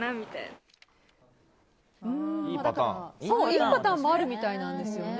いいパターンもあるみたいなんですよね。